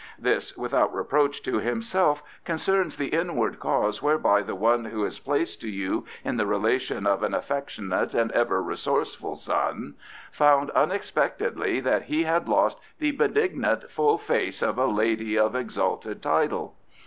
This, without reproach to himself, concerns the inward cause whereby the one who is placed to you in the relation of an affectionate and ever resourceful son found unexpectedly that he had lost the benignant full face of a lady of exalted title.